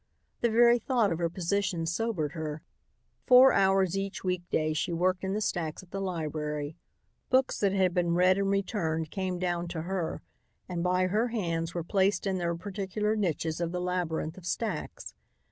The very thought of her position sobered her. Four hours each week day she worked in the stacks at the library. Books that had been read and returned came down to her and by her hands were placed in their particular niches of the labyrinth of stacks.